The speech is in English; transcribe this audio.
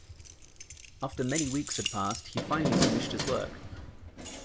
After "many weeks had passed," he finally finished his work.